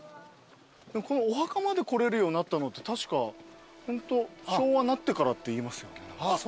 このお墓まで来れるようになったのって確かホント昭和なってからっていいますよね。